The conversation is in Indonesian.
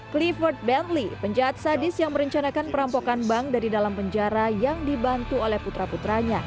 clifford bentley penjahat sadis yang merencanakan perampokan bank dari dalam penjara yang dibantu oleh putra putranya